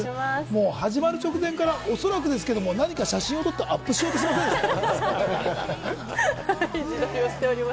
始まる直前からおそらくですけれども、何か写真を撮ってアップしようとしていませんでしたか？